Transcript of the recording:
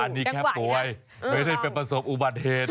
อันนี้แค่ป่วยไม่ได้ไปประสบอุบัติเหตุ